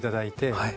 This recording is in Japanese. はい。